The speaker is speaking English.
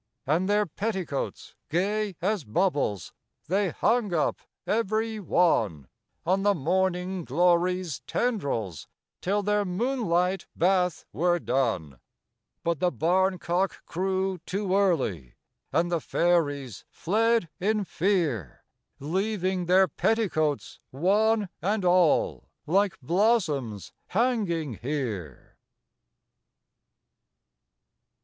And their petticoats, gay as bubbles, They hung up, every one, On the morning glory's tendrils, Till their moonlight bath were done. But the barn cock crew too early, And the Fairies fled in fear, Leaving their petticoats, one and all, Like blossoms hanging here.